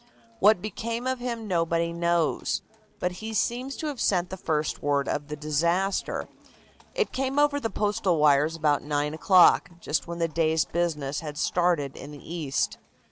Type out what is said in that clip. What became of him nobody knows. But he seems to have sent the first word of the disaster. It came over the Postal wires about nine o'clock, just when the day's business had started in the East.